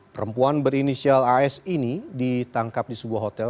perempuan berinisial as ini ditangkap di sebuah hotel